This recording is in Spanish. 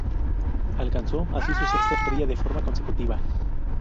Alcanzó así su sexta estrella de forma consecutiva.